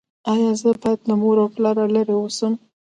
ایا زه باید له مور او پلار لرې اوسم؟